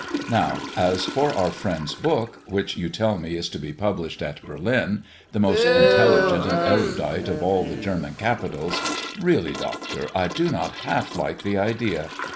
Now, as for our friend's book, which you tell me is to be published at Berlin the most intelligent and erudite of all the German capitals really, Doctor, I do not half like the idea!